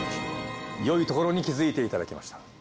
よいところに気づいていただきました。